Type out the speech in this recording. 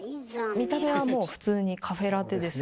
見た目はもう普通にカフェラテですよね。